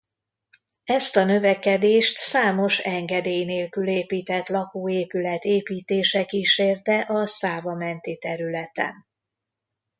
Ezt a növekedést számos engedély nélkül épített lakóépület építése kísérte a Szávamenti területen.